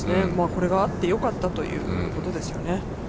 これがあってよかったということですよね。